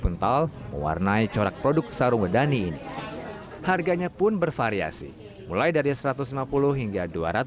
kental mewarnai corak produk sarung wedani ini harganya pun bervariasi mulai dari satu ratus lima puluh hingga